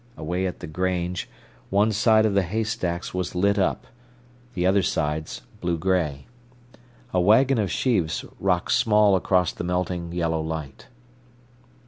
Away at the grange, one side of the haystacks was lit up, the other sides blue grey. A waggon of sheaves rocked small across the melting yellow light.